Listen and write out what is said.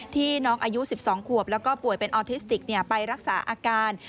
ที่น้องอายุ๑๒ขวบแล้วก็ป่วยเป็นออทิสติกไปรักษาอาการ